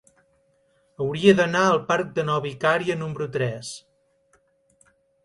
Hauria d'anar al parc de Nova Icària número tres.